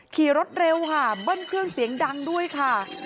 ขี่รถเร็วค่ะเบิ้ลเครื่องเสียงดังด้วยค่ะ